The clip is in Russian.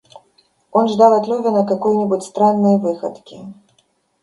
Он ждал от Левина какой-нибудь странной выходки.